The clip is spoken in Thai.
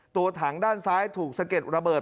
ตัวถังด้านซ้ายถูกสะเก็ดระเบิด